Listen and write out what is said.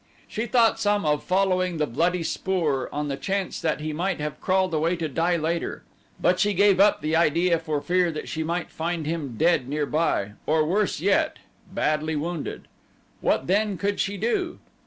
She thought some of following the bloody spoor on the chance that he might have crawled away to die later, but she gave up the idea for fear that she might find him dead nearby, or, worse yet badly wounded. What then could she do?